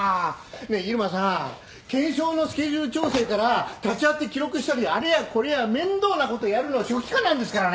ねえ入間さん検証のスケジュール調整から立ち会って記録したりあれやこれや面倒なことやるのは書記官なんですからね。